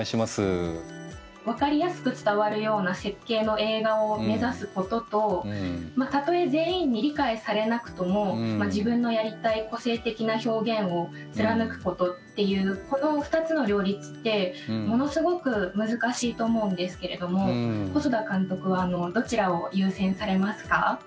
分かりやすく伝わるような設計の映画を目指すこととたとえ全員に理解されなくとも自分のやりたい個性的な表現を貫くことっていうこの２つの両立ってものすごく難しいと思うんですけれども細田監督はどちらを優先されますか？